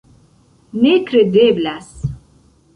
Nekredeblas.